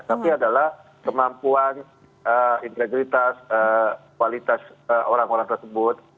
tapi adalah kemampuan integritas kualitas orang orang tersebut